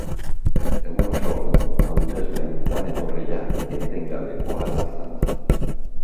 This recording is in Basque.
Egun osoan hautesleen joan-etorria etengabekoa izan da.